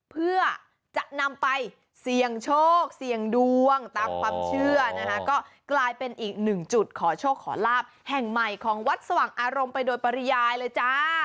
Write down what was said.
เพื่อจะนำไปเสี่ยงโชคเสี่ยงดวงตามความเชื่อนะคะก็กลายเป็นอีกหนึ่งจุดขอโชคขอลาบแห่งใหม่ของวัดสว่างอารมณ์ไปโดยปริยายเลยจ้า